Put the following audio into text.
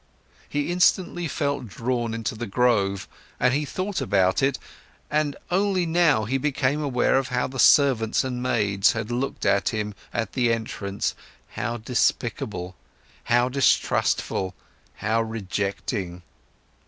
He instantly felt drawn into the grove, but he thought about it, and only now he became aware of how the servants and maids had looked at him at the entrance, how despicable, how distrustful, how rejecting.